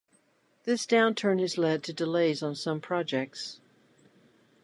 This downturn has led to delays on some projects.